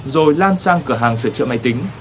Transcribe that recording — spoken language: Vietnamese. rồi lan sang cửa hàng sửa chữa máy tính